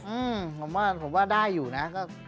อืมผมว่าผมว่าได้อยู่นะก็